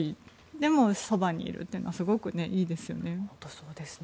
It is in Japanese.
でも、そばにいるというのはすごくいいですよね。